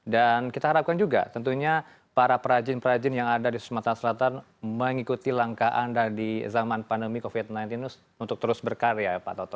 dan kita harapkan juga tentunya para perajin perajin yang ada di sumatera selatan mengikuti langkah anda di zaman pandemi covid sembilan belas untuk terus berkarya pak toto